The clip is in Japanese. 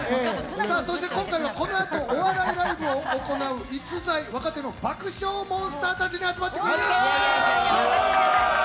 このあとお笑いライブを行う逸材若手の爆笑モンスターに集まっていただきました。